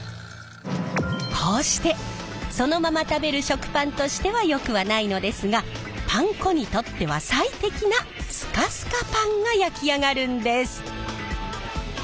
こうしてそのまま食べる食パンとしてはよくはないのですがパン粉にとっては最適なスカスカパンが焼き上がるんです！